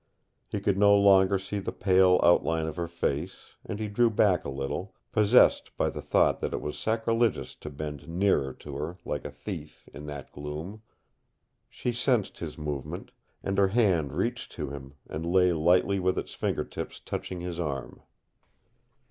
He could no longer see the pale outline of her face, and he drew back a little, possessed by the thought that it was sacrilegious to bend nearer to her, like a thief, in that gloom. She sensed his movement, and her hand reached to him and lay lightly with its fingertips touching his arm.